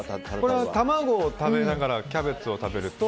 卵を食べながらキャベツを食べると。